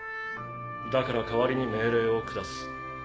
だから代わりに命令を下す。